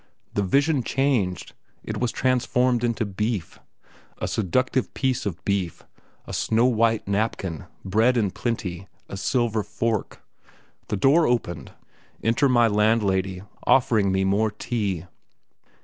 The vision changed; it was transformed into beef a seductive piece of beef a snow white napkin, bread in plenty, a silver fork. The door opened; enter my landlady, offering me more tea....